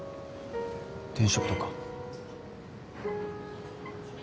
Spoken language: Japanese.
転職とか？